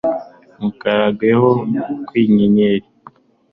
Nkutagerwaho nkinyenyeri